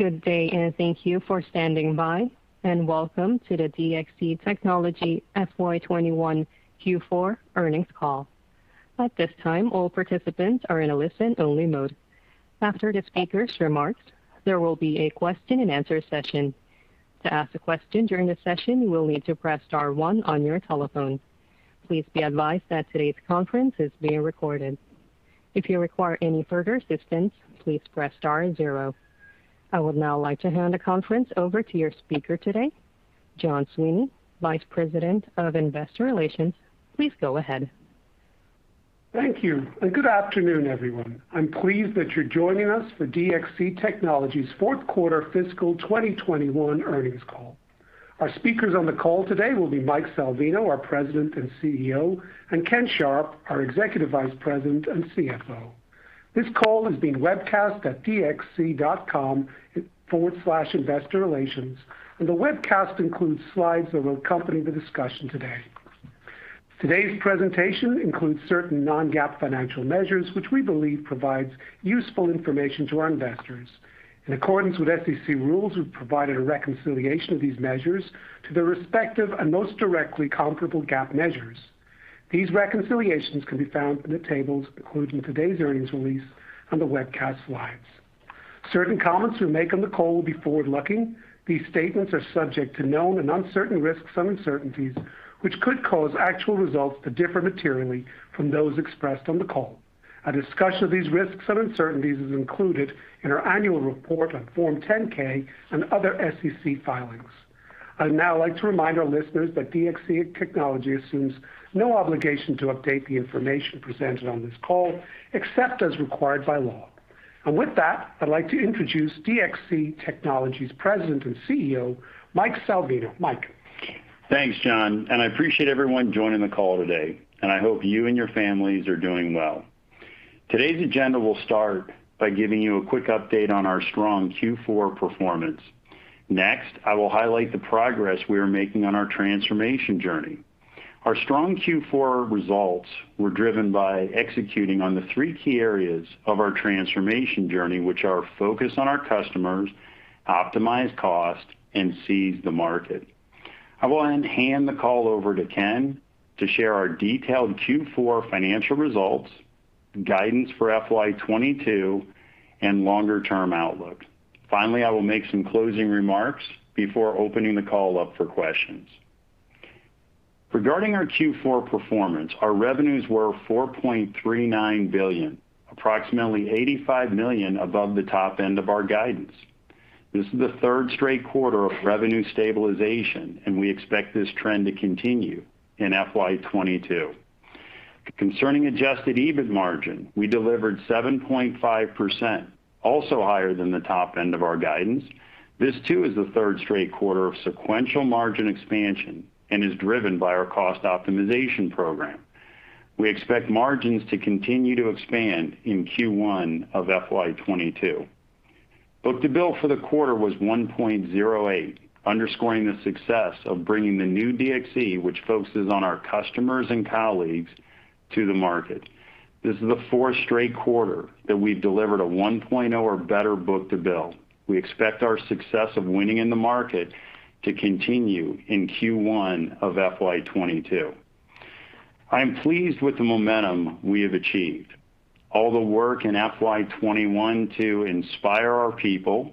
Good day, and thank you for standing by, and welcome to the DXC Technology FY 2021 Q4 Earnings Call. At this time all participants are in listen-only mode. After the speakers' remarks there will be a question-and-answer-session. To ask a question during the session you will need to press star one on your telephone. Please be advised that today's conference is being recorded. If you require any further assistance please press star zero. I would now like to hand the conference over to your speaker today, John Sweeney, Vice President of Investor Relations. Please go ahead. Thank you. Good afternoon, everyone. I am pleased that you are joining us for DXC Technology's fourth quarter fiscal 2021 earnings call. Our speakers on the call today will be Mike Salvino, our President and CEO, and Ken Sharp, our Executive Vice President and CFO. This call is being webcast at dxc.com/investorrelations. The webcast includes slides that will accompany the discussion today. Today's presentation includes certain non-GAAP financial measures, which we believe provides useful information to our investors. In accordance with SEC rules, we have provided a reconciliation of these measures to their respective and most directly comparable GAAP measures. These reconciliations can be found in the tables included in today's earnings release and the webcast slides. Certain comments we make on the call will be forward-looking. These statements are subject to known and uncertain risks and uncertainties, which could cause actual results to differ materially from those expressed on the call. Our discussion of these risks and uncertainties is included in our annual report on Form 10-K and other SEC filings. I'd now like to remind our listeners that DXC Technology assumes no obligation to update the information presented on this call, except as required by law. With that, I'd like to introduce DXC Technology's President and CEO, Mike Salvino. Mike. Thanks, John. I appreciate everyone joining the call today, and I hope you and your families are doing well. Today's agenda will start by giving you a quick update on our strong Q4 performance. I will highlight the progress we are making on our transformation journey. Our strong Q4 results were driven by executing on the three key areas of our transformation journey, which are focus on our customers, optimize cost, and seize the market. I will then hand the call over to Ken to share our detailed Q4 financial results, guidance for FY 2022, and longer-term outlook. I will make some closing remarks before opening the call up for questions. Regarding our Q4 performance, our revenues were $4.39 billion, approximately $85 million above the top end of our guidance. This is the third straight quarter of revenue stabilization, and we expect this trend to continue in FY 2022. Concerning adjusted EBIT margin, we delivered 7.5%, also higher than the top end of our guidance. This too is the third straight quarter of sequential margin expansion and is driven by our cost optimization program. We expect margins to continue to expand in Q1 of FY 2022. Book-to-bill for the quarter was 1.08, underscoring the success of bringing the new DXC, which focuses on our customers and colleagues, to the market. This is the fourth straight quarter that we've delivered a 1.0 or better book-to-bill. We expect our success of winning in the market to continue in Q1 of FY 2022. I'm pleased with the momentum we have achieved. All the work in FY 2021 to inspire our people,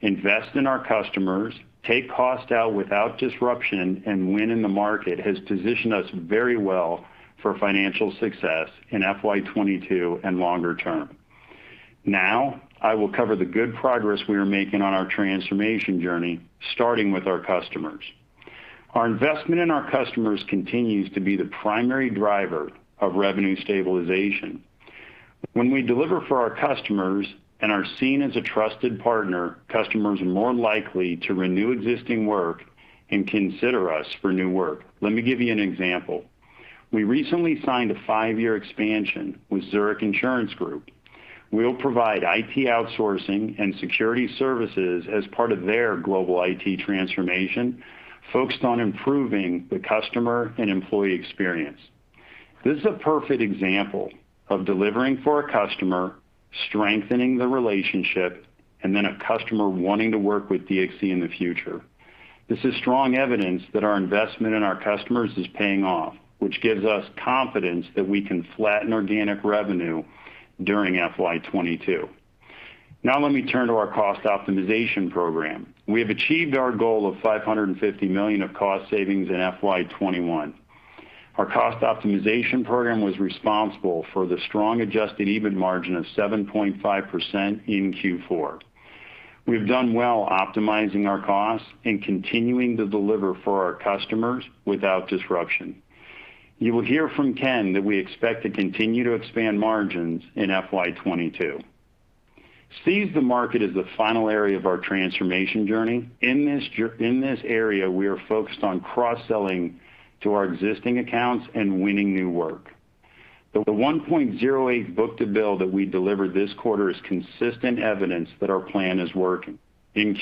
invest in our customers, take cost out without disruption, and win in the market has positioned us very well for financial success in FY 2022 and longer term. Now, I will cover the good progress we are making on our transformation journey, starting with our customers. Our investment in our customers continues to be the primary driver of revenue stabilization. When we deliver for our customers and are seen as a trusted partner, customers are more likely to renew existing work and consider us for new work. Let me give you an example. We recently signed a five-year expansion with Zurich Insurance Group. We'll provide IT outsourcing and security services as part of their global IT transformation focused on improving the customer and employee experience. This is a perfect example of delivering for a customer, strengthening the relationship, and then a customer wanting to work with DXC in the future. This is strong evidence that our investment in our customers is paying off, which gives us confidence that we can flatten organic revenue during FY 2022. Now let me turn to our cost optimization program. We have achieved our goal of $550 million of cost savings in FY 2021. Our cost optimization program was responsible for the strong adjusted EBIT margin of 7.5% in Q4. We've done well optimizing our costs and continuing to deliver for our customers without disruption. You will hear from Ken that we expect to continue to expand margins in FY 2022. Seize the market is the final area of our transformation journey. In this area, we are focused on cross-selling to our existing accounts and winning new work. The 1.08 book-to-bill that we delivered this quarter is consistent evidence that our plan is working. In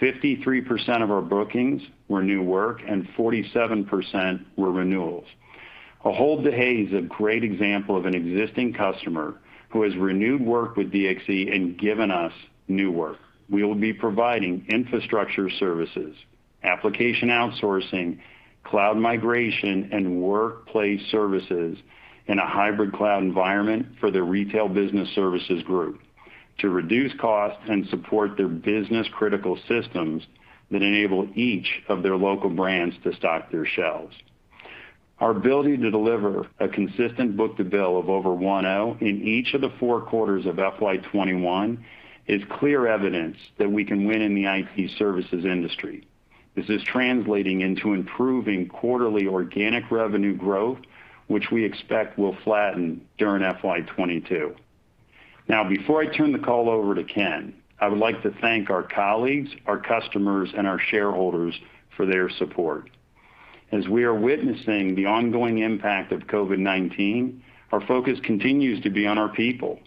Q4, 53% of our bookings were new work, and 47% were renewals. Ahold Delhaize is a great example of an existing customer who has renewed work with DXC and given us new work. We will be providing infrastructure services, application outsourcing, cloud migration, and workplace services in a hybrid cloud environment for their retail business services group to reduce costs and support their business-critical systems that enable each of their local brands to stock their shelves. Our ability to deliver a consistent book-to-bill of over 1.0 in each of the four quarters of FY 2021 is clear evidence that we can win in the IT services industry. This is translating into improving quarterly organic revenue growth, which we expect will flatten during FY 2022. Before I turn the call over to Ken, I would like to thank our colleagues, our customers, and our shareholders for their support. As we are witnessing the ongoing impact of COVID-19, our focus continues to be on our people.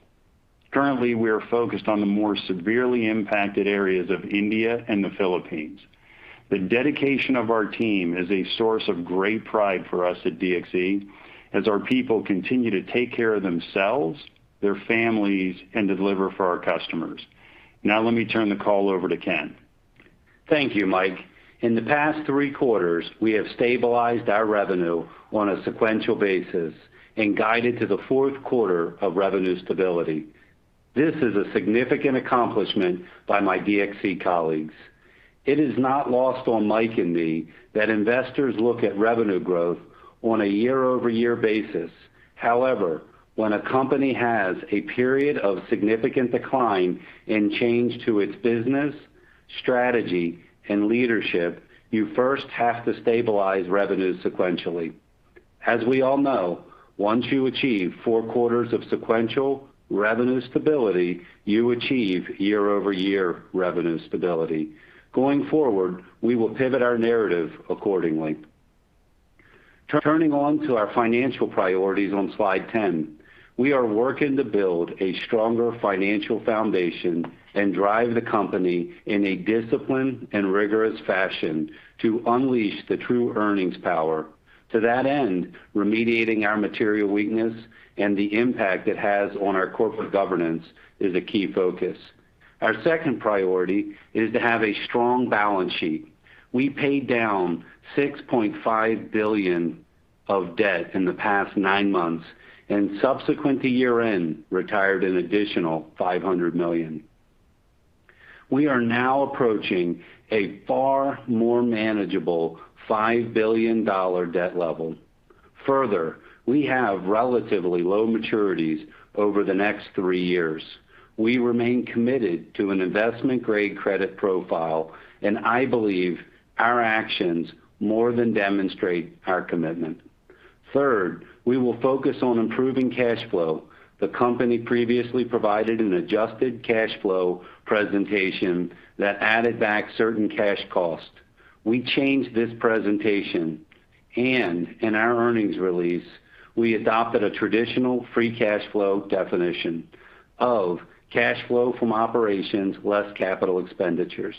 Currently, we are focused on the more severely impacted areas of India and the Philippines. The dedication of our team is a source of great pride for us at DXC as our people continue to take care of themselves, their families, and deliver for our customers. Now, let me turn the call over to Ken. Thank you, Mike. In the past three quarters, we have stabilized our revenue on a sequential basis and guided to the fourth quarter of revenue stability. This is a significant accomplishment by my DXC colleagues. It is not lost on Mike and me that investors look at revenue growth on a year-over-year basis. However, when a company has a period of significant decline and change to its business, strategy, and leadership, you first have to stabilize revenue sequentially. As we all know, once you achieve four quarters of sequential revenue stability, you achieve year-over-year revenue stability. Going forward, we will pivot our narrative accordingly. Turning on to our financial priorities on slide 10. We are working to build a stronger financial foundation and drive the company in a disciplined and rigorous fashion to unleash the true earnings power. To that end, remediating our material weakness and the impact it has on our corporate governance is a key focus. Our second priority is to have a strong balance sheet. We paid down $6.5 billion of debt in the past nine months, and subsequent to year-end, retired an additional $500 million. We are now approaching a far more manageable $5 billion debt level. Further, we have relatively low maturities over the next three years. We remain committed to an investment-grade credit profile, and I believe our actions more than demonstrate our commitment. Third, we will focus on improving cash flow. The company previously provided an adjusted cash flow presentation that added back certain cash costs. We changed this presentation, and in our earnings release, we adopted a traditional free cash flow definition of cash flow from operations less capital expenditures.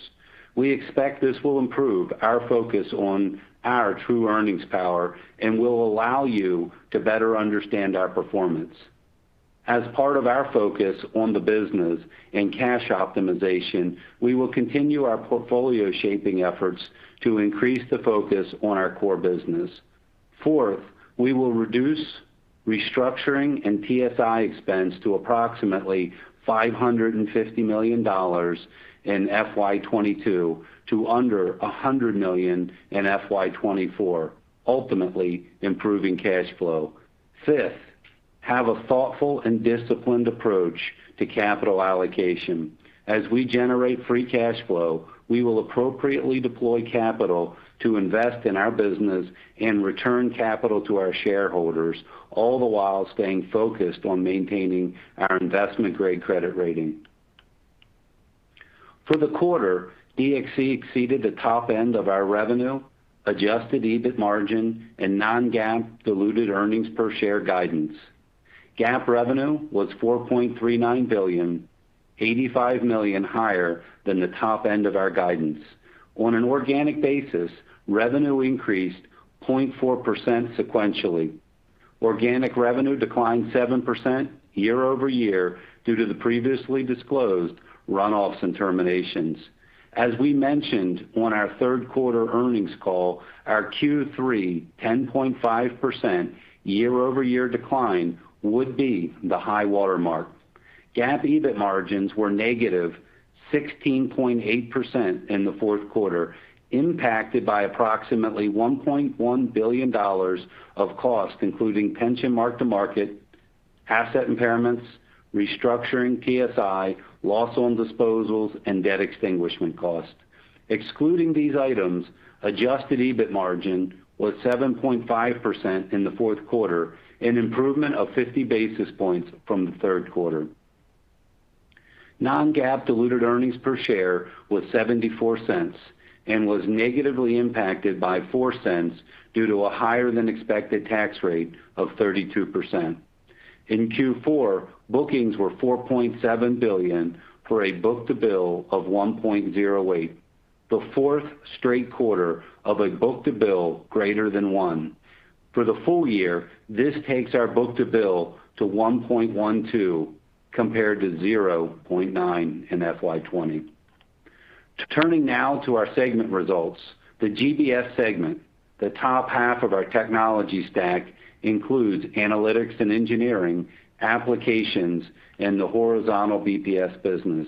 We expect this will improve our focus on our true earnings power and will allow you to better understand our performance. As part of our focus on the business and cash optimization, we will continue our portfolio shaping efforts to increase the focus on our core business. Fourth, we will reduce restructuring and TSI expense to approximately $550 million in FY 2022 to under $100 million in FY 2024, ultimately improving cash flow. Fifth, have a thoughtful and disciplined approach to capital allocation. As we generate free cash flow, we will appropriately deploy capital to invest in our business and return capital to our shareholders, all the while staying focused on maintaining our investment-grade credit rating. For the quarter, DXC exceeded the top end of our revenue, adjusted EBIT margin, and non-GAAP diluted earnings per share guidance. GAAP revenue was $4.39 billion, $85 million higher than the top end of our guidance. On an organic basis, revenue increased 0.4% sequentially. Organic revenue declined 7% year-over-year due to the previously disclosed runoffs and terminations. As we mentioned on our third-quarter earnings call, our Q3 10.5% year-over-year decline would be the high-water mark. GAAP EBIT margins were -16.8% in the fourth quarter, impacted by approximately $1.1 billion of costs including pension mark-to-market, asset impairments, restructuring TSI, loss on disposals, and debt extinguishment costs. Excluding these items, adjusted EBIT margin was 7.5% in the fourth quarter, an improvement of 50 basis points from the third quarter. Non-GAAP diluted earnings per share was $0.74 and was negatively impacted by $0.04 due to a higher-than-expected tax rate of 32%. In Q4, bookings were $4.7 billion for a book-to-bill of 1.08. The fourth straight quarter of a book-to-bill greater than one. For the full-year, this takes our book-to-bill to 1.12 compared to 0.9 in FY 2020. Turning now to our segment results, the GBS segment, the top half of our technology stack, includes analytics and engineering, applications, and the horizontal BPS business.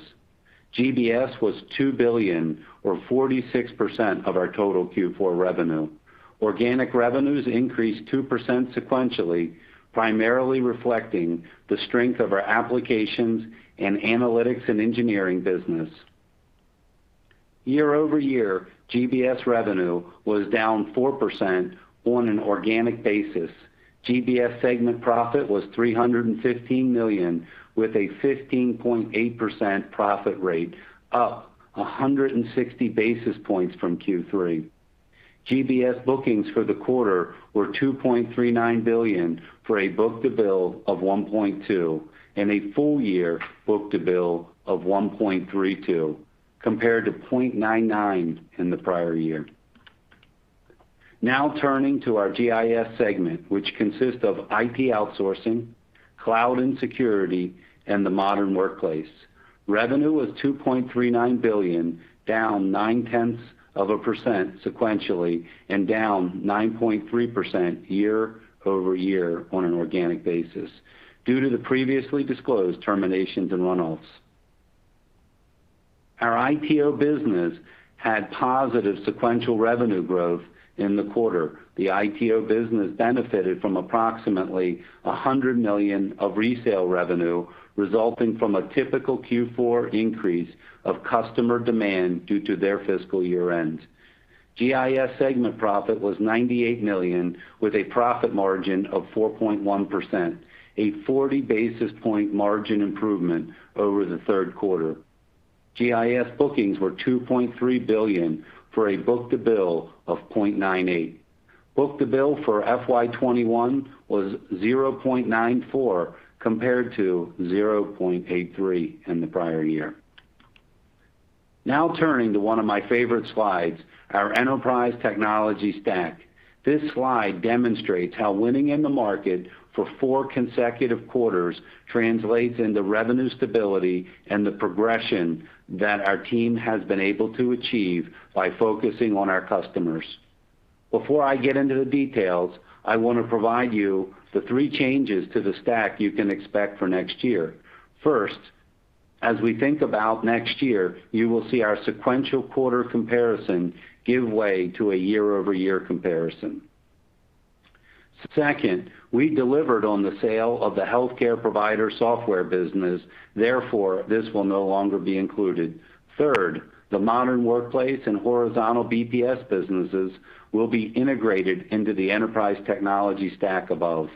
GBS was $2 billion or 46% of our total Q4 revenue. Organic revenues increased 2% sequentially, primarily reflecting the strength of our applications and analytics and engineering business. Year-over-year, GBS revenue was down 4% on an organic basis. GBS segment profit was $315 million with a 15.8% profit rate, up 160 basis points from Q3. GBS bookings for the quarter were $2.39 billion for a book-to-bill of 1.2 and a full-year book-to-bill of 1.32 compared to 0.99 in the prior year. Now turning to our GIS segment, which consists of IT outsourcing, cloud and security, and the Modern Workplace. Revenue was $2.39 billion, down 0.9% sequentially and down 9.3% year-over-year on an organic basis due to the previously disclosed terminations and run-offs. Our ITO business had positive sequential revenue growth in the quarter. The ITO business benefited from approximately $100 million of resale revenue resulting from a typical Q4 increase of customer demand due to their fiscal year end. GIS segment profit was $98 million with a profit margin of 4.1%, a 40 basis point margin improvement over the third quarter. GIS bookings were $2.3 billion for a book-to-bill of 0.98. Book-to-bill for FY 2021 was 0.94 compared to 0.83 in the prior year. Now turning to one of my favorite slides, our Enterprise Technology Stack. This slide demonstrates how winning in the market for four consecutive quarters translates into revenue stability and the progression that our team has been able to achieve by focusing on our customers. Before I get into the details, I want to provide you the three changes to the stack you can expect for next year. First, as we think about next year, you will see our sequential quarter comparison give way to a year-over-year comparison. Second, we delivered on the sale of the healthcare provider software business, therefore, this will no longer be included. Third, the Modern Workplace and horizontal BPS businesses will be integrated into the Enterprise Technology Stack above.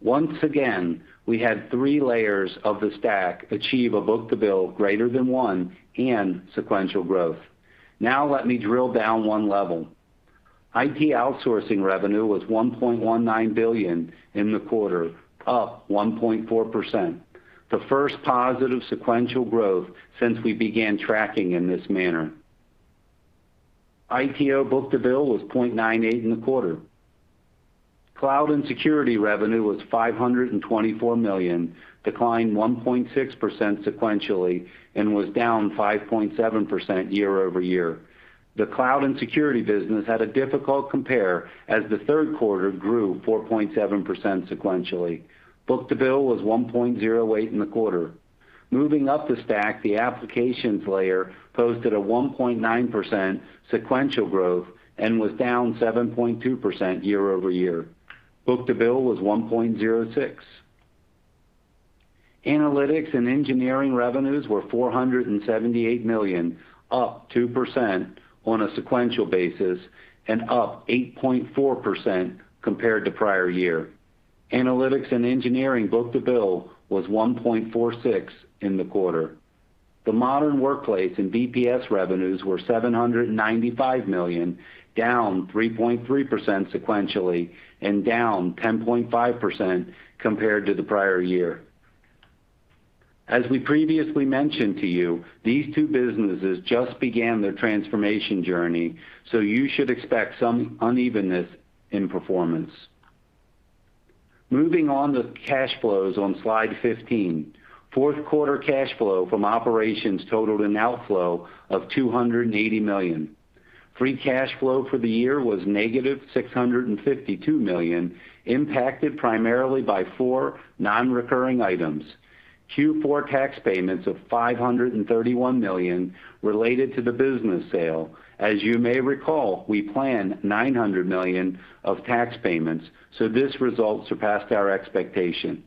Once again, we had three layers of the stack achieve a book-to-bill greater than one and sequential growth. Now let me drill down one level. IT outsourcing revenue was $1.19 billion in the quarter, up 1.4%. The first positive sequential growth since we began tracking in this manner. ITO book-to-bill was 0.98 in the quarter. Cloud and security revenue was $524 million, declined 1.6% sequentially, and was down 5.7% year-over-year. The cloud and security business had a difficult compare as the third quarter grew 4.7% sequentially. Book-to-bill was 1.08 in the quarter. Moving up the stack, the applications layer posted a 1.9% sequential growth and was down 7.2% year-over-year. Book-to-bill was 1.06. Analytics and engineering revenues were $478 million, up 2% on a sequential basis and up 8.4% compared to prior year. Analytics and engineering book-to-bill was 1.46 in the quarter. The Modern Workplace and BPS revenues were $795 million, down 3.3% sequentially and down 10.5% compared to the prior year. As we previously mentioned to you, these two businesses just began their transformation journey, so you should expect some unevenness in performance. Moving on to cash flows on Slide 15. Fourth quarter cash flow from operations totaled an outflow of $280 million. Free cash flow for the year was $-652 million, impacted primarily by four non-recurring items. Q4 tax payments of $531 million related to the business sale. As you may recall, we planned $900 million of tax payments, this result surpassed our expectation.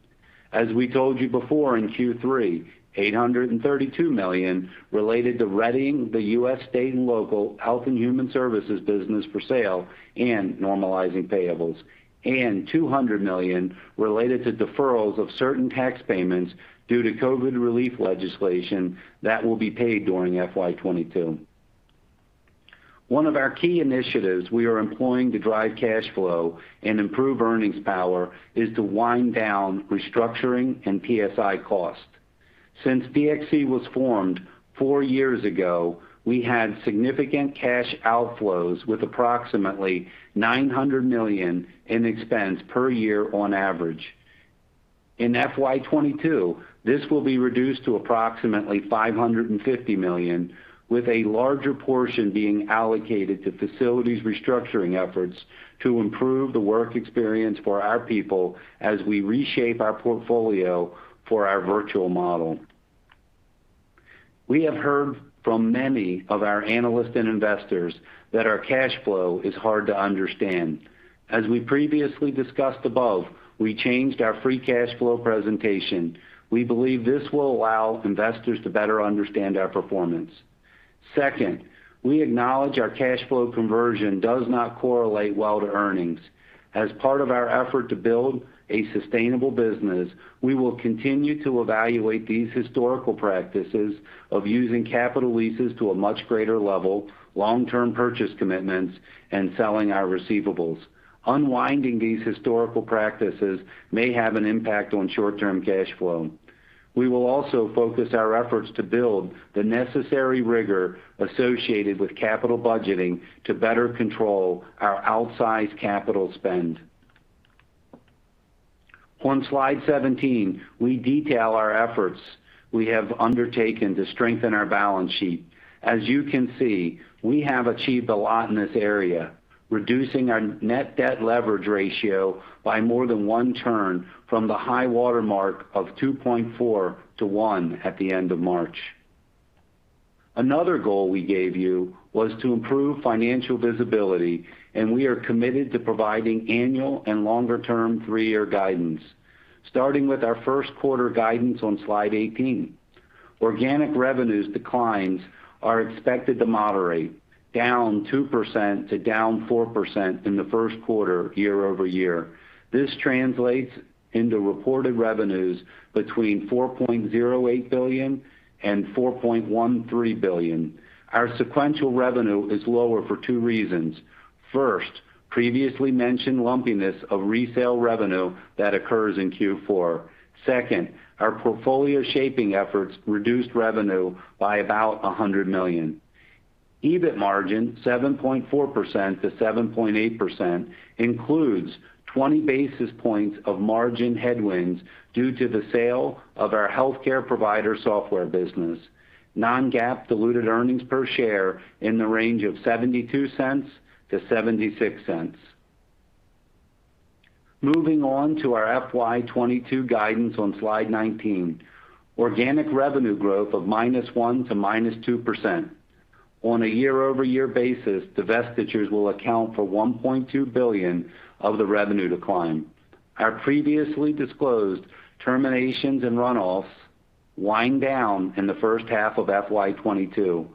We told you before in Q3, $832 million related to readying the U.S. state and local health and human services business for sale and normalizing payables, and $200 million related to deferrals of certain tax payments due to COVID-19 relief legislation that will be paid during FY 2022. One of our key initiatives we are employing to drive cash flow and improve earnings power is to wind down restructuring and TSI costs. Since DXC Technology was formed four years ago, we had significant cash outflows with approximately $900 million in expense per year on average. In FY 2022, this will be reduced to approximately $550 million, with a larger portion being allocated to facilities restructuring efforts to improve the work experience for our people as we reshape our portfolio for our virtual model. We have heard from many of our analysts and investors that our cash flow is hard to understand. As we previously discussed above, we changed our free cash flow presentation. We believe this will allow investors to better understand our performance. Second, we acknowledge our cash flow conversion does not correlate well to earnings. As part of our effort to build a sustainable business, we will continue to evaluate these historical practices of using capital leases to a much greater level, long-term purchase commitments, and selling our receivables. Unwinding these historical practices may have an impact on short-term cash flow. We will also focus our efforts to build the necessary rigor associated with capital budgeting to better control our outsized capital spend. On Slide 17, we detail our efforts we have undertaken to strengthen our balance sheet. As you can see, we have achieved a lot in this area, reducing our net debt leverage ratio by more than one turn from the high watermark of 2.4 to one at the end of March. We are committed to providing annual and longer-term three-year guidance. Starting with our first quarter guidance on Slide 18. Organic revenues declines are expected to moderate, down 2% to down 4% in the first quarter year-over-year. This translates into reported revenues between $4.08 billion and $4.13 billion. Our sequential revenue is lower for two reasons. First, previously mentioned lumpiness of resale revenue that occurs in Q4. Second, our portfolio shaping efforts reduced revenue by about $100 million. EBIT margin 7.4%-7.8%, includes 20 basis points of margin headwinds due to the sale of our healthcare provider software business. Non-GAAP diluted earnings per share in the range of $0.72-$0.76. Moving on to our FY 2022 guidance on Slide 19. Organic revenue growth of -1% to -2%. On a year-over-year basis, divestitures will account for $1.2 billion of the revenue decline. Our previously disclosed terminations and runoffs wind down in the first half of FY 2022.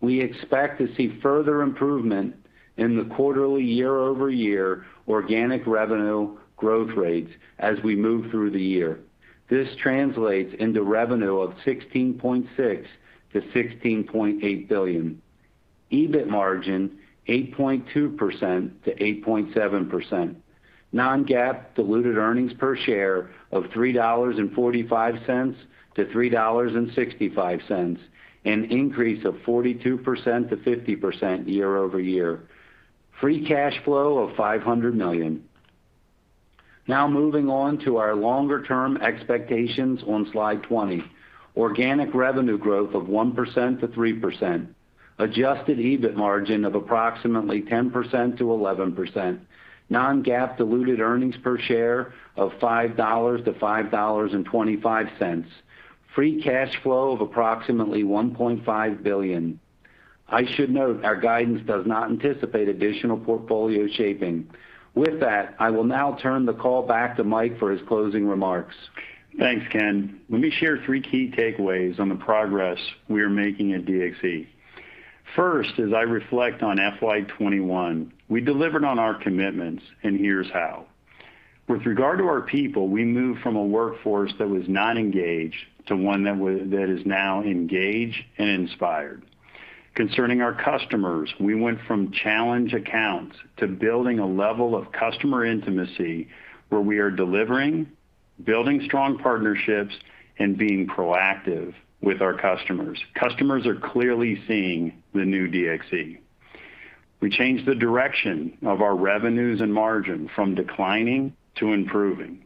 We expect to see further improvement in the quarterly year-over-year organic revenue growth rates as we move through the year. This translates into revenue of $16.6 billion-$16.8 billion. EBIT margin 8.2%-8.7%. Non-GAAP diluted earnings per share of $3.45-$3.65, an increase of 42%-50% year-over-year. Free cash flow of $500 million. Now moving on to our longer-term expectations on Slide 20. Organic revenue growth of 1%-3%. Adjusted EBIT margin of approximately 10%-11%. Non-GAAP diluted earnings per share of $5-$5.25. Free cash flow of approximately $1.5 billion. I should note our guidance does not anticipate additional portfolio shaping. With that, I will now turn the call back to Mike for his closing remarks. Thanks, Ken. Let me share three key takeaways on the progress we are making at DXC. First, as I reflect on FY 2021, we delivered on our commitments. Here's how. With regard to our people, we moved from a workforce that was not engaged to one that is now engaged and inspired. Concerning our customers, we went from challenge accounts to building a level of customer intimacy where we are delivering, building strong partnerships, and being proactive with our customers. Customers are clearly seeing the new DXC. We changed the direction of our revenues and margin from declining to improving.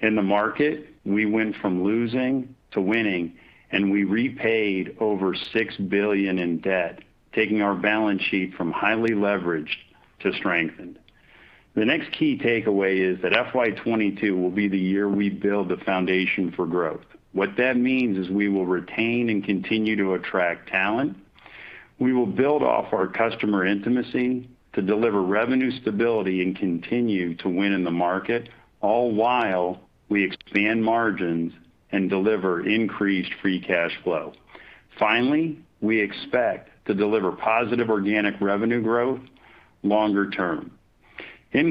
In the market, we went from losing to winning. We repaid over $6 billion in debt, taking our balance sheet from highly leveraged to strengthened. The next key takeaway is that FY 2022 will be the year we build the foundation for growth. What that means is we will retain and continue to attract talent. We will build off our customer intimacy to deliver revenue stability and continue to win in the market, all while we expand margins and deliver increased free cash flow. Finally, we expect to deliver positive organic revenue growth longer term. We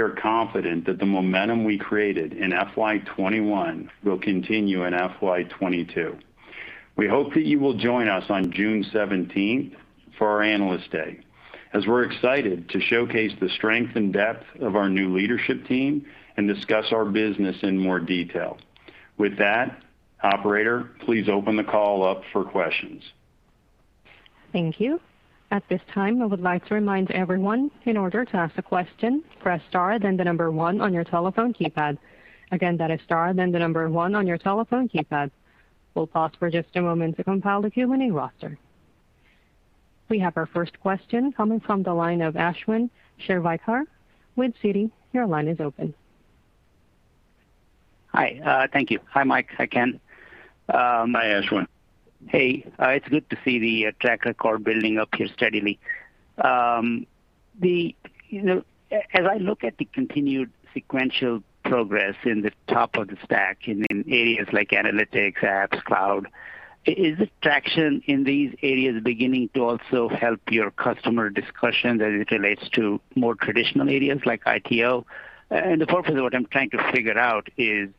are confident that the momentum we created in FY 2021 will continue in FY 2022. We hope that you will join us on June 17th for our Analyst Day, as we're excited to showcase the strength and depth of our new leadership team and discuss our business in more detail. Operator, please open the call up for questions. Thank you. At this time, I would like to remind everyone, in order to ask a question, press star then the number one on your telephone keypad. Again, that is star then the number one on your telephone keypad. We'll pause for just a moment to compile the queuing roster. We have our first question coming from the line of Ashwin Shirvaikar with Citi. Your line is open. Hi. Thank you. Hi, Mike. Hi, Ken. Hi, Ashwin. Hey. It's good to see the track record building up here steadily. As I look at the continued sequential progress in the top of the stack and in areas like analytics, Apps Cloud, is the traction in these areas beginning to also help your customer discussion as it relates to more traditional areas like ITO? What I'm trying to figure out is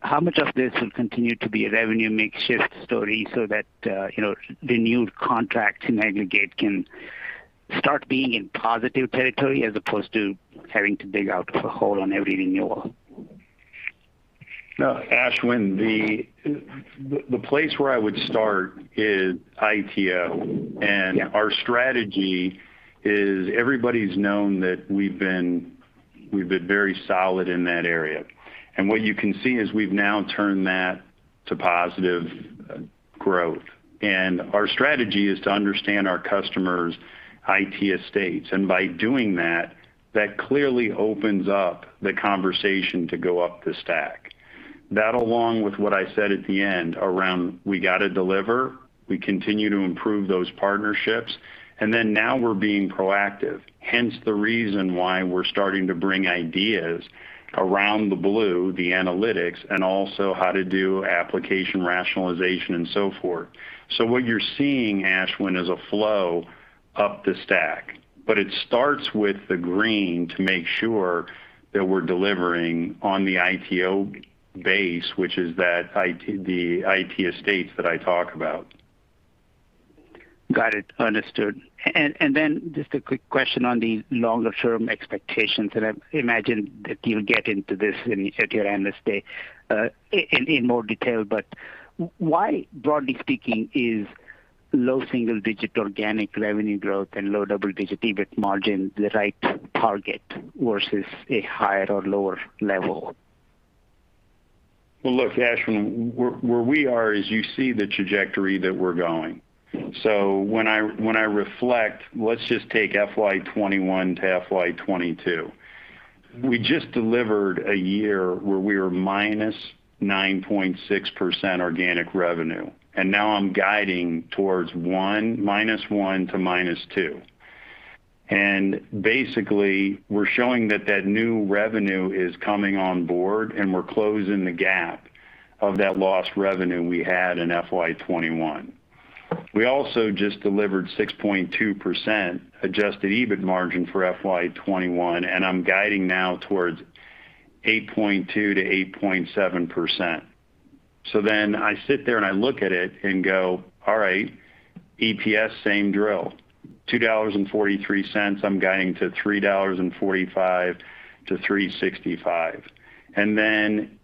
how much of this will continue to be a revenue makeshift story so that the new contract aggregate can start being in positive territory as opposed to having to dig out the hole on every renewal? No, Ashwin, the place where I would start is ITO. Yeah. Our strategy is everybody's known that we've been very solid in that area. What you can see is we've now turned that to positive growth. Our strategy is to understand our customers' IT estates. By doing that clearly opens up the conversation to go up the stack. That, along with what I said at the end around we got to deliver, we continue to improve those partnerships, and then now we're being proactive, hence the reason why we're starting to bring ideas around the blue, the analytics, and also how to do application rationalization and so forth. What you're seeing, Ashwin, is a flow up the stack. It starts with the green to make sure that we're delivering on the ITO base, which is the IT estates that I talk about. Got it. Understood. Just a quick question on the longer-term expectations, and I imagine that you'll get into this at your Analyst Day in more detail, but why, broadly speaking, is low single-digit organic revenue growth and low double-digit EBIT margin the right target versus a higher or lower level? Well, look, Ashwin, where we are is you see the trajectory that we're going. When I reflect, let's just take FY 2021 to FY 2022. We just delivered a year where we were -9.6% organic revenue, and now I'm guiding towards -1% to -2%. Basically, we're showing that that new revenue is coming on board, and we're closing the gap of that lost revenue we had in FY 2021. We also just delivered 6.2% adjusted EBIT margin for FY 2021, and I'm guiding now towards 8.2%-8.7%. I sit there and I look at it and go, All right, EPS, same drill, $2.43 I'm guiding to $3.45-$3.65.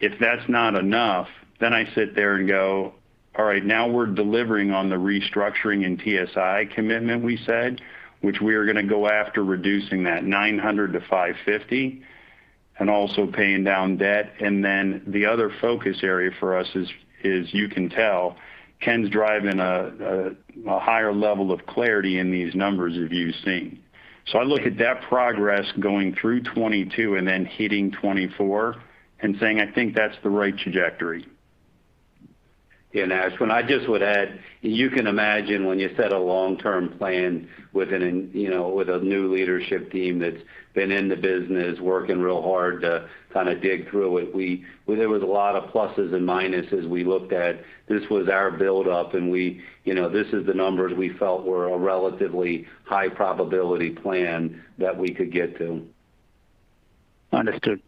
If that's not enough, I sit there and go, All right, now we're delivering on the restructuring and TSI commitment we said, which we are going to go after reducing that $900 to $550 and also paying down debt. The other focus area for us is, you can tell, Ken's driving a higher level of clarity in these numbers that you've seen. I look at that progress going through 2022 and then hitting 2024 and saying, I think that's the right trajectory. Yeah. Ashwin, I just would add, you can imagine when you set a long-term plan with a new leadership team that's been in the business working real hard to dig through it, there was a lot of pluses and minuses we looked at. This was our buildup, and this is the numbers we felt were a relatively high probability plan that we could get to. Understood.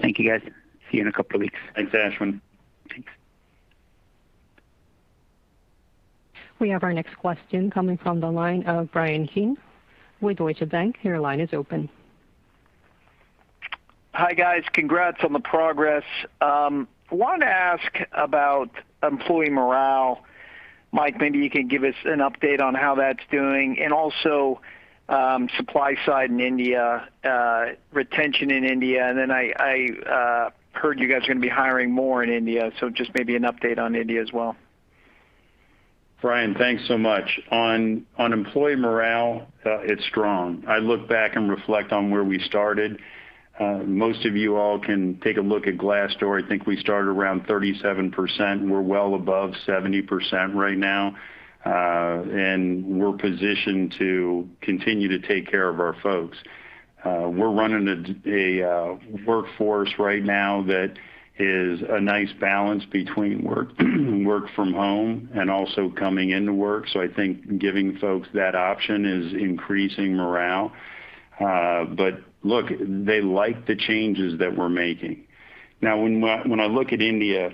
Thank you, guys. See you in a couple of weeks. Thanks, Ashwin. Thanks. We have our next question coming from the line of Bryan Keane with Deutsche Bank. Your line is open. Hi, guys. Congrats on the progress. I wanted to ask about employee morale. Mike, maybe you can give us an update on how that's doing, and also supply side in India, retention in India, and then I heard you guys are going to be hiring more in India, so just maybe an update on India as well. Bryan, thanks so much. On employee morale, it's strong. I look back and reflect on where we started. Most of you all can take a look at Glassdoor. I think we started around 37%. We're well above 70% right now. We're positioned to continue to take care of our folks. We're running a workforce right now that is a nice balance between work from home and also coming into work. I think giving folks that option is increasing morale. Look, they like the changes that we're making. Now, when I look at India,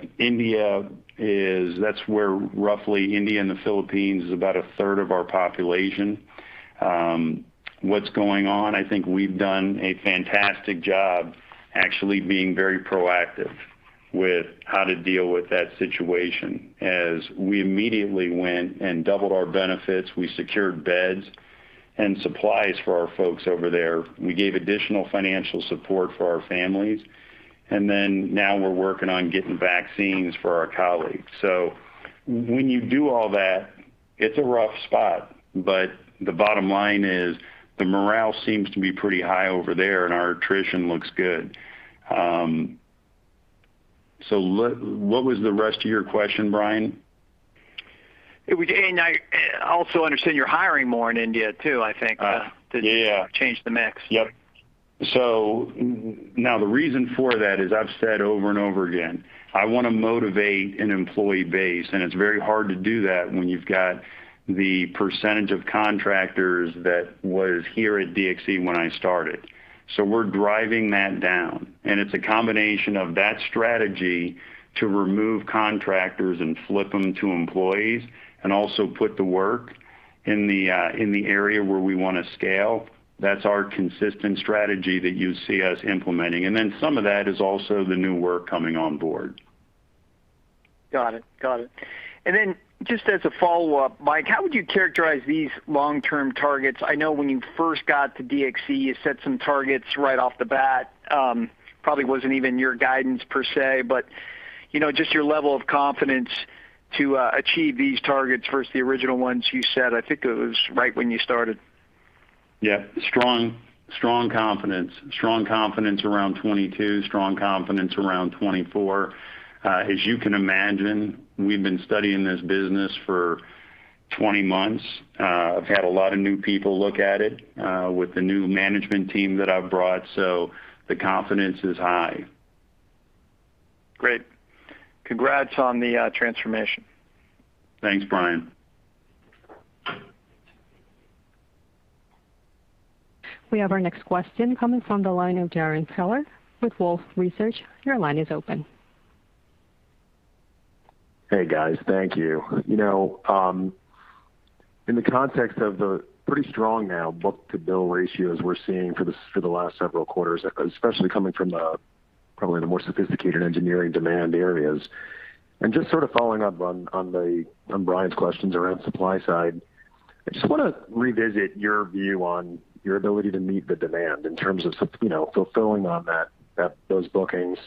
that's where roughly India and the Philippines is about a third of our population. What's going on? I think we've done a fantastic job actually being very proactive with how to deal with that situation. We immediately went and doubled our benefits, we secured beds and supplies for our folks over there. We gave additional financial support for our families, then now we're working on getting vaccines for our colleagues. When you do all that, it's a rough spot, the bottom line is the morale seems to be pretty high over there, and our attrition looks good. What was the rest of your question, Bryan? I also understand you're hiring more in India, too, I think. Yeah to change the mix. Yep. Now the reason for that is I've said over and over again, I want to motivate an employee base, and it's very hard to do that when you've got the percentage of contractors that was here at DXC when I started. We're driving that down, and it's a combination of that strategy to remove contractors and flip them to employees, and also put the work in the area where we want to scale. That's our consistent strategy that you see us implementing, and then some of that is also the new work coming on board. Got it. Just as a follow-up, Mike, how would you characterize these long-term targets? I know when you first got to DXC, you set some targets right off the bat. Probably wasn't even your guidance per se, but just your level of confidence to achieve these targets versus the original ones you set, I think it was right when you started. Yeah. Strong confidence. Strong confidence around 2022. Strong confidence around 2024. As you can imagine, we've been studying this business for 20 months. I've had a lot of new people look at it with the new management team that I've brought. The confidence is high. Great. Congrats on the transformation. Thanks, Bryan. We have our next question coming from the line of Darrin Peller with Wolfe Research. Your line is open. Hey, guys. Thank you. In the context of the pretty strong now book-to-bill ratios we're seeing for the last several quarters, especially coming from probably the more sophisticated engineering demand areas, and just sort of following up on Bryan's questions around supply side, I just want to revisit your view on your ability to meet the demand in terms of fulfilling on those bookings.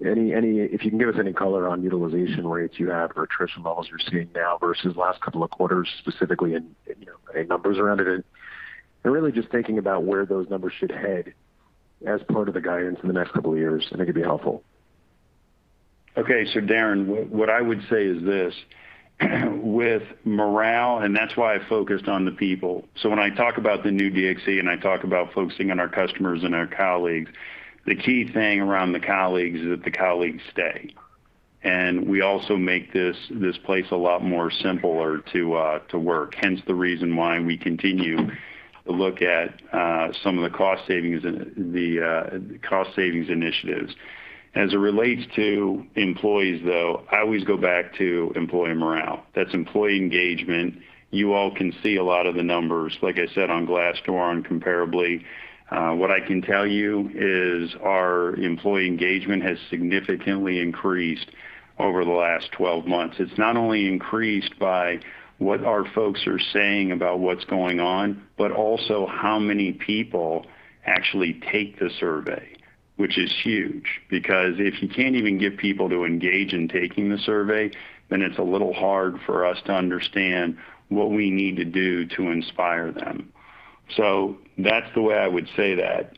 If you can give us any color on utilization rates you have or attrition levels you're seeing now versus the last couple of quarters, specifically any numbers around it, and really just thinking about where those numbers should head as part of the guidance for the next couple of years, I think it'd be helpful. Okay. Darrin, what I would say is this. With morale, that's why I focused on the people. When I talk about the new DXC, I talk about focusing on our customers and our colleagues, the key thing around the colleagues is that the colleagues stay. We also make this place a lot more simpler to work, hence the reason why we continue to look at some of the cost-savings initiatives. As it relates to employees, though, I always go back to employee morale. That's employee engagement. You all can see a lot of the numbers, like I said, on Glassdoor, on Comparably. What I can tell you is our employee engagement has significantly increased over the last 12 months. It's not only increased by what our folks are saying about what's going on, but also how many people actually take the survey, which is huge, because if you can't even get people to engage in taking the survey, then it's a little hard for us to understand what we need to do to inspire them. That's the way I would say that.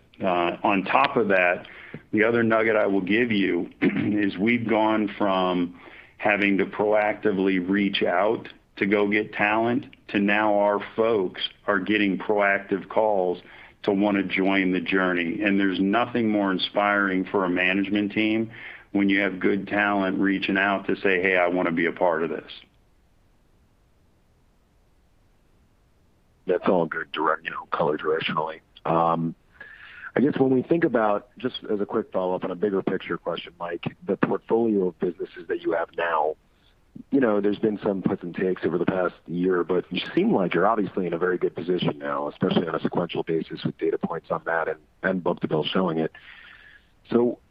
On top of that, the other nugget I will give you is we've gone from having to proactively reach out to go get talent, to now our folks are getting proactive calls to want to join the journey. There's nothing more inspiring for a management team when you have good talent reaching out to say, Hey, I want to be a part of this. That's all good color directionally. I guess when we think about, just as a quick follow-up on a bigger picture question, Mike, the portfolio of businesses that you have now, there's been some puts and takes over the past year, but you seem like you're obviously in a very good position now, especially on a sequential basis with data points on that and book-to-bill showing it.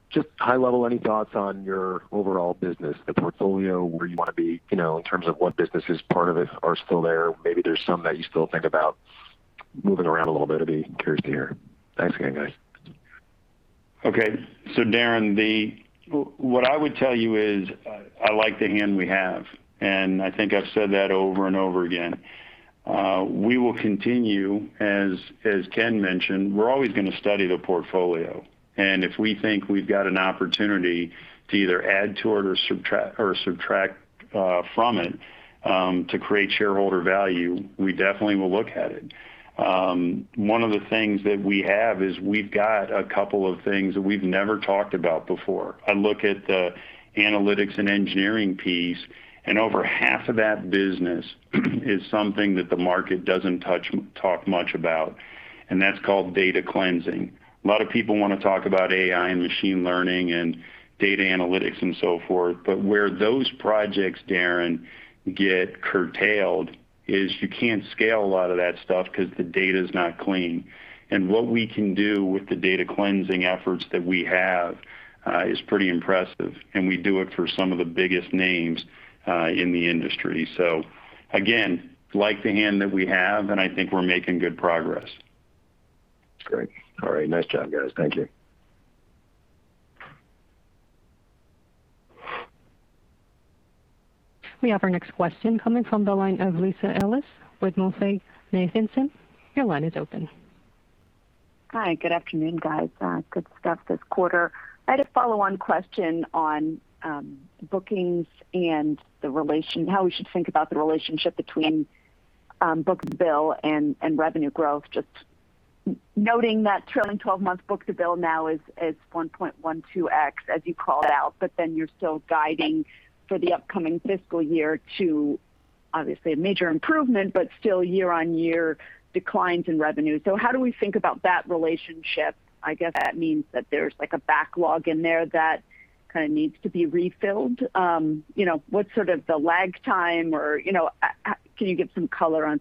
Just high level, any thoughts on your overall business, the portfolio, where you want to be, in terms of what businesses, part of it are still there? Maybe there's some that you still think about moving around a little bit. I'd be curious to hear. Thanks, guys. Darrin, what I would tell you is I like the hand we have, and I think I've said that over and over again. We will continue, as Ken mentioned, we're always going to study the portfolio, and if we think we've got an opportunity to either add to it or subtract from it to create shareholder value, we definitely will look at it. One of the things that we have is we've got a couple of things that we've never talked about before. I look at the analytics and engineering piece, and over half of that business is something that the market doesn't talk much about, and that's called data cleansing. A lot of people want to talk about AI and machine learning and data analytics and so forth, where those projects, Darrin, get curtailed is you can't scale a lot of that stuff because the data's not clean. What we can do with the data cleansing efforts that we have is pretty impressive, and we do it for some of the biggest names in the industry. Again, like the hand that we have, and I think we're making good progress. Great. All right. Nice job, guys. Thank you. We have our next question coming from the line of Lisa Ellis with MoffettNathanson. Your line is open. Hi, good afternoon, guys. Good stuff this quarter. I had a follow-on question on bookings and how we should think about the relationship between book-to-bill and revenue growth. Just noting that trailing 12-month book-to-bill now is 1.12x, as you called out, but then you're still guiding for the upcoming fiscal year to, obviously, a major improvement, but still year-on-year declines in revenue. How do we think about that relationship? I guess that means that there's a backlog in there that needs to be refilled. What's the lag time, or can you give some color on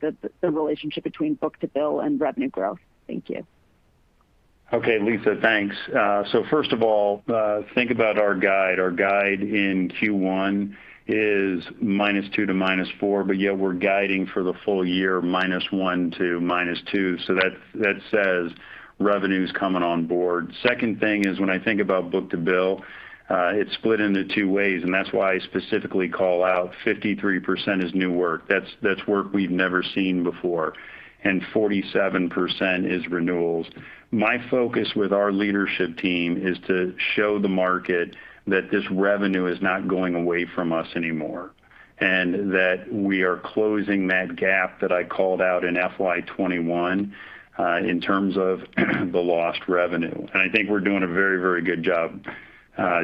the relationship between book-to-bill and revenue growth? Thank you. Okay, Lisa, thanks. First of all, think about our guide. Our guide in Q1 is -2% to -4%, yet we're guiding for the full-year -1% to -2%. That says revenue's coming on board. Second thing is when I think about book-to-bill, it's split into two ways. That's why I specifically call out 53% is new work. That's work we've never seen before, and 47% is renewals. My focus with our leadership team is to show the market that this revenue is not going away from us anymore, and that we are closing that gap that I called out in FY 2021 in terms of the lost revenue. I think we're doing a very good job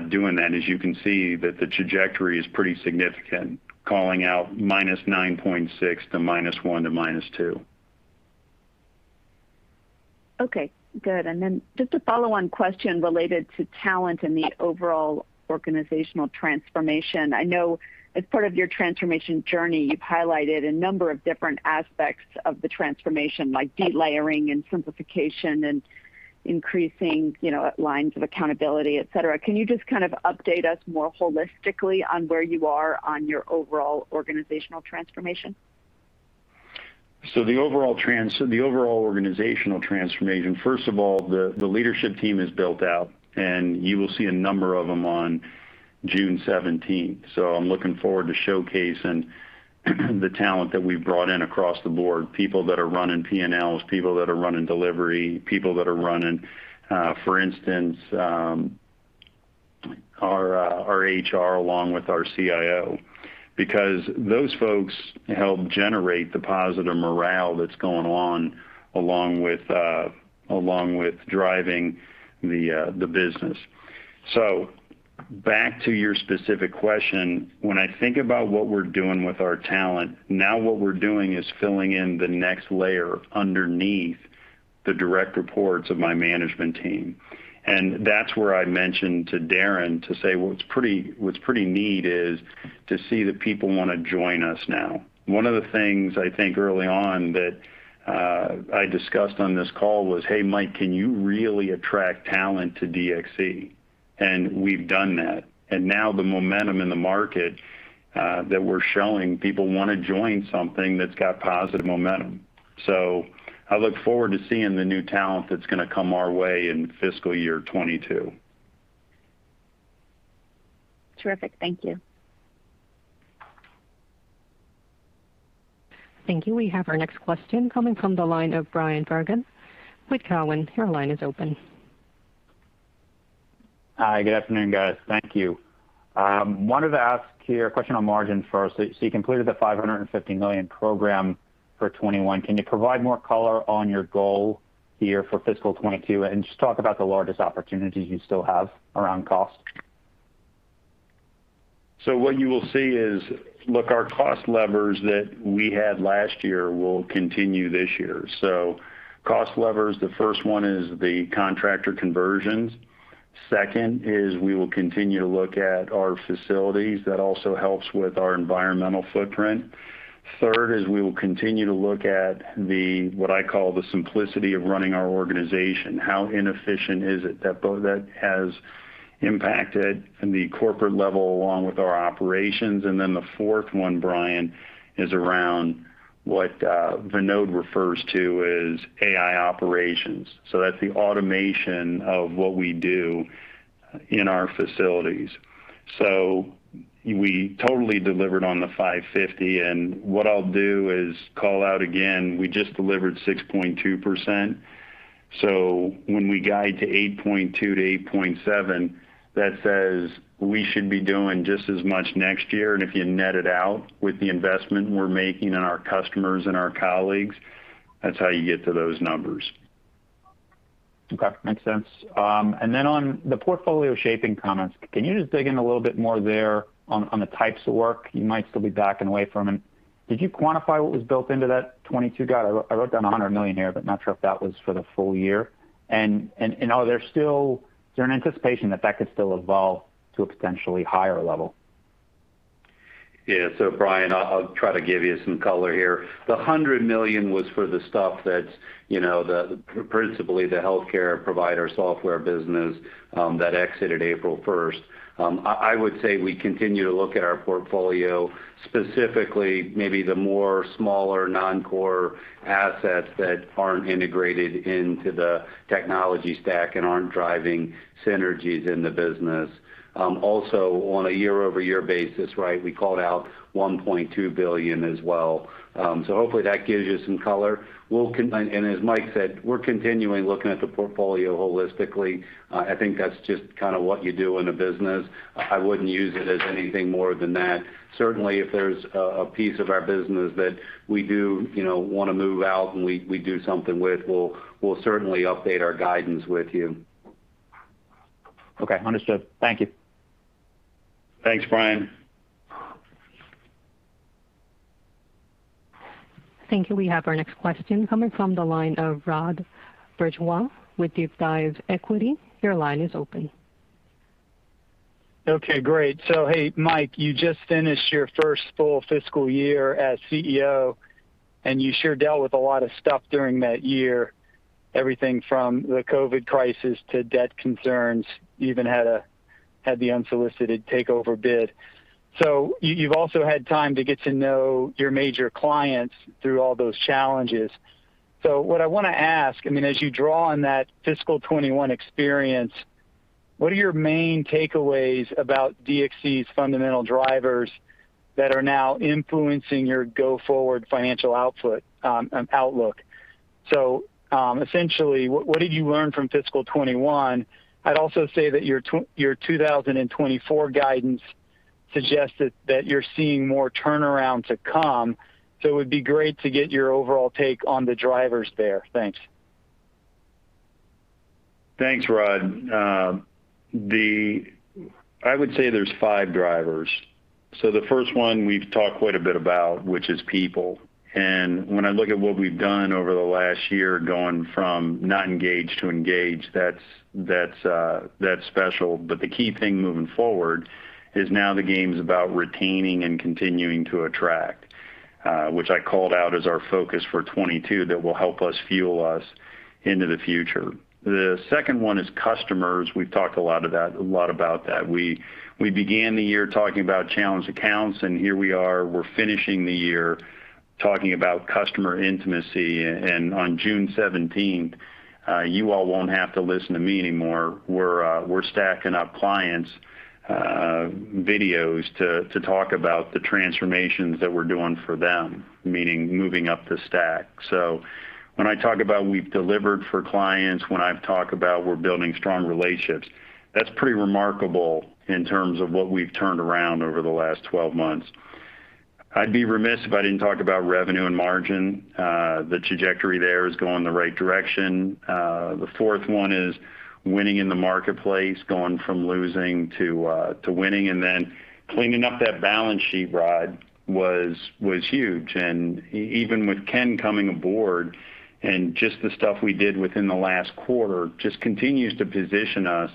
doing that. As you can see, the trajectory is pretty significant, calling out -9.6% to -1% to -2%. Okay, good. Just a follow-on question related to talent and the overall organizational transformation. I know as part of your transformation journey, you've highlighted a number of different aspects of the transformation, like delayering and simplification and increasing lines of accountability, et cetera. Can you just update us more holistically on where you are on your overall organizational transformation? The overall organizational transformation, first of all, the leadership team is built out, and you will see a number of them on June 17th. I'm looking forward to showcasing the talent that we've brought in across the board. People that are running P&Ls, people that are running delivery, people that are running our HR along with our CIO. Because those folks help generate the positive morale that's going on, along with driving the business. Back to your specific question, when I think about what we're doing with our talent, now what we're doing is filling in the next layer underneath the direct reports of my management team. That's where I mentioned to Darrin to say what's pretty neat is to see that people want to join us now. One of the things I think early on that I discussed on this call was, Hey, Mike, can you really attract talent to DXC? We've done that. Now the momentum in the market that we're showing, people want to join something that's got positive momentum. I look forward to seeing the new talent that's going to come our way in fiscal year 2022. Terrific. Thank you. Thank you. We have our next question coming from the line of Bryan Bergin with Cowen. Your line is open. Hi, good afternoon, guys. Thank you. Wanted to ask here a question on margins first. You completed the $550 million program for 2021. Can you provide more color on your goal here for fiscal 2022? Just talk about the largest opportunities you still have around cost. What you will see is our cost levers that we had last year will continue this year. Cost levers, the first one is the contractor conversions. Second is we will continue to look at our facilities. That also helps with our environmental footprint. Third is we will continue to look at what I call the simplicity of running our organization. How inefficient is it that has impacted the corporate level along with our operations. The fourth one, Bryan, is around what Vinod refers to as AI operations. That's the automation of what we do in our facilities. We totally delivered on the $550, and what I'll do is call out again, we just delivered 6.2%. When we guide to 8.2%-8.7%, that says we should be doing just as much next year. If you net it out with the investment we're making in our customers and our colleagues, that's how you get to those numbers. Okay. Makes sense. On the portfolio shaping comments, can you just dig in a little bit more there on the types of work you might still be backing away from? Did you quantify what was built into that 2022? I wrote down $100 million here, but not sure if that was for the full-year. Are there still anticipation that could still evolve to a potentially higher level? Bryan, I'll try to give you some color here. The $100 million was for the stuff that's principally the healthcare provider software business that exited April 1st. I would say we continue to look at our portfolio, specifically maybe the more smaller non-core assets that aren't integrated into the technology stack and aren't driving synergies in the business. On a year-over-year basis, we called out $1.2 billion as well. Hopefully that gives you some color. As Mike said, we're continuing looking at the portfolio holistically. I think that's just what you do in a business. I wouldn't use it as anything more than that. Certainly, if there's a piece of our business that we do want to move out and we do something with, we'll certainly update our guidance with you. Okay, understood. Thank you. Thanks, Bryan. Thank you. We have our next question coming from the line of Rod Bourgeois with DeepDive Equity Research. Your line is open. Okay, great. Hey, Mike, you just finished your first full fiscal year as CEO, and you sure dealt with a lot of stuff during that year, everything from the COVID crisis to debt concerns, even had the unsolicited takeover bid. You've also had time to get to know your major clients through all those challenges. What I want to ask, as you draw on that fiscal 2021 experience, what are your main takeaways about DXC's fundamental drivers that are now influencing your go-forward financial outlook? Essentially, what did you learn from fiscal 2021? I'd also say that your 2024 guidance suggested that you're seeing more turnaround to come, so it would be great to get your overall take on the drivers there. Thanks. Thanks, Rod. I would say there's five drivers. The first one we've talked quite a bit about, which is people. When I look at what we've done over the last year, going from not engaged to engaged, that's special. The key thing moving forward is now the game's about retaining and continuing to attract, which I called out as our focus for 2022 that will help us fuel us into the future. The second one is customers. We've talked a lot about that. We began the year talking about challenge accounts, and here we are, we're finishing the year talking about customer intimacy. On June 17th, you all won't have to listen to me anymore. We're stacking up clients' videos to talk about the transformations that we're doing for them, meaning moving up the stack. When I talk about we've delivered for clients, when I talk about we're building strong relationships, that's pretty remarkable in terms of what we've turned around over the last 12 months. I'd be remiss if I didn't talk about revenue and margin. The trajectory there is going in the right direction. The fourth one is winning in the marketplace, going from losing to winning. Cleaning up that balance sheet, Rod, was huge. Even with Ken coming aboard, and just the stuff we did within the last quarter just continues to position us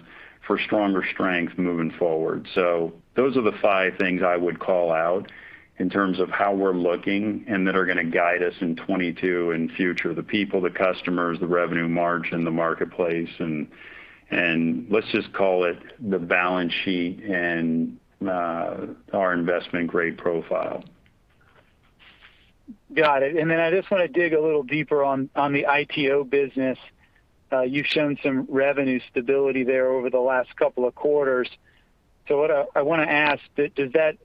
for stronger strength moving forward. Those are the five things I would call out in terms of how we're looking, and that are going to guide us in 2022 and future. The people, the customers, the revenue margin, the marketplace, and let's just call it the balance sheet and our investment-grade profile. Got it. I just want to dig a little deeper on the ITO business. You've shown some revenue stability there over the last couple of quarters. What I want to ask, does that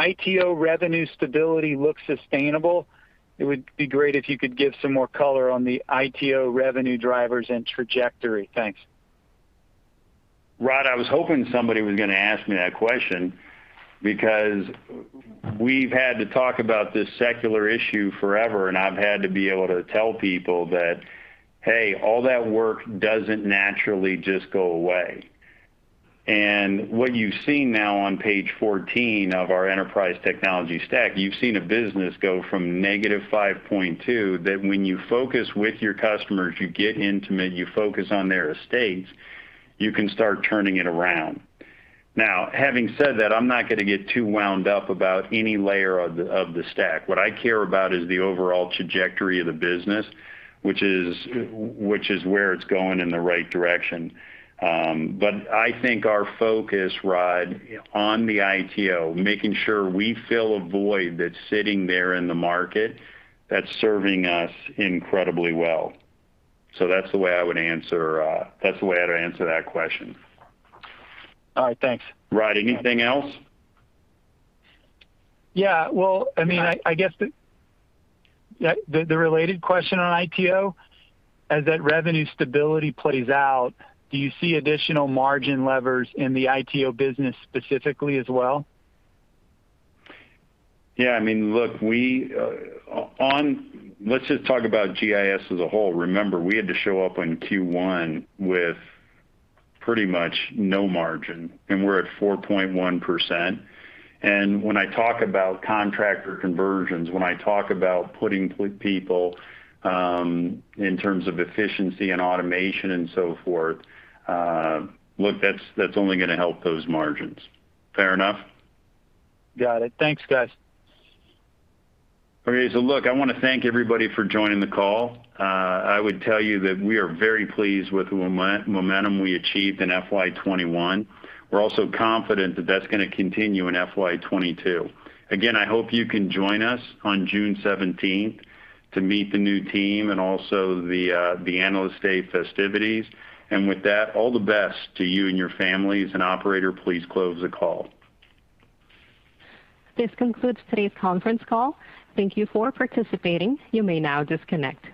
ITO revenue stability look sustainable? It would be great if you could give some more color on the ITO revenue drivers and trajectory. Thanks. Rod, I was hoping somebody was going to ask me that question because we've had to talk about this secular issue forever, and I've had to be able to tell people that, hey, all that work doesn't naturally just go away. What you see now on Page 14 of our Enterprise Technology Stack, you've seen a business go from -5.2, that when you focus with your customers, you get intimate, you focus on their estates, you can start turning it around. Now, having said that, I'm not going to get too wound up about any layer of the stack. What I care about is the overall trajectory of the business, which is where it's going in the right direction. I think our focus, Rod, on the ITO, making sure we fill a void that's sitting there in the market, that's serving us incredibly well. That's the way I would answer that question. All right. Thanks. Rod, anything else? Yeah. Well, I guess the related question on ITO, as that revenue stability plays out, do you see additional margin levers in the ITO business specifically as well? Yeah. Look, let's just talk about GIS as a whole. Remember, we had to show up in Q1 with pretty much no margin, and we're at 4.1%. When I talk about contractor conversions, when I talk about putting people in terms of efficiency and automation and so forth, look, that's only going to help those margins. Fair enough? Got it. Thanks, guys. Okay. Look, I want to thank everybody for joining the call. I would tell you that we are very pleased with the momentum we achieved in FY 2021. We're also confident that that's going to continue in FY 2022. Again, I hope you can join us on June 17th to meet the new team and also the analyst day festivities. With that, all the best to you and your families. Operator, please close the call. This concludes today's conference call. Thank you for participating. You may now disconnect.